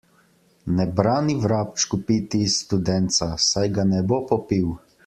Ne brani vrabčku piti iz studenca, saj ga ne bo popil!